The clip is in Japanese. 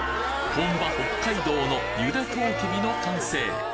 本場・北海道の茹でとうきびの完成！